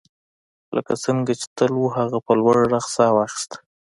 لکه څنګه چې تل وو هغه په لوړ غږ ساه واخیسته